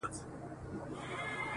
چرگه چي ببره سي، بده جناوره سي.